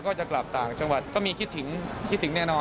คนมันคิดถึง